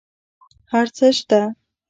هر څه شته